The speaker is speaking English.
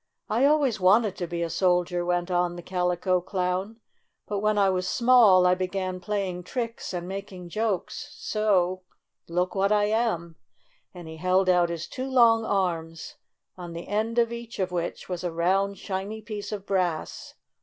"I always wanted to be a soldier," went on the Calico Clown, "but when I was small I began playing tricks and making jokes, so — look what I am!" and he held out his two long arms, on the end of each of which was a round, shiny piece of brass.